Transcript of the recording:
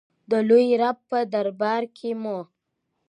د لوی رب په دربار کې مو.